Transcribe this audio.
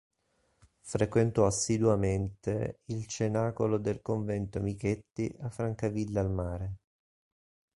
Frequentò assiduamente ilo cenacolo del convento Michetti a Francavilla al Mare.